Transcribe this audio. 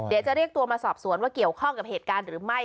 เดี๋ยวจะเรียกตัวมาสอบสวนว่าเกี่ยวข้องกับเหตุการณ์หรือไม่